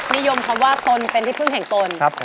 นิยมคำว่าตนเป็นที่พึ่งแห่งตน